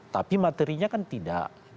tapi materinya kan tidak